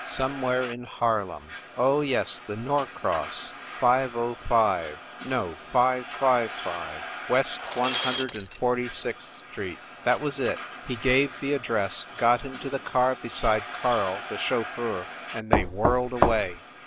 Somewhere in Harlem. ... Oh, yes, The Norcross, 505, no, 555 West One Hundred and Forty sixth Street. That was it. He gave the ad dress, got into the car beside Karl, the chauffeur, and they whirled away.